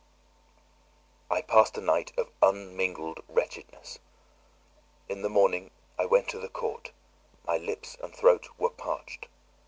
I passed a night of unmingled wretchedness. In the morning I went to the court; my lips and throat were parched.